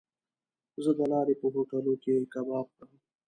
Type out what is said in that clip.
زه د لارې په هوټلو کې کباب خورم.